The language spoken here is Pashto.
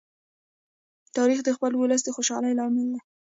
تاریخ د خپل ولس د خوشالۍ لامل دی.